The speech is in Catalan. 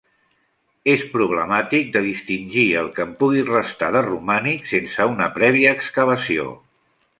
És problemàtic de distingir el que en pugui restar de romànic sense una prèvia excavació.